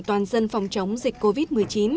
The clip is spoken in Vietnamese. toàn dân phòng chống dịch covid một mươi chín